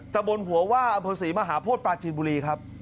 ตะบนหัวว่าอับราษีมหาโพธิปลาชินบุรีครับ